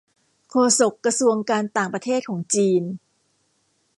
โฆษกกระทรวงการต่างประเทศของจีน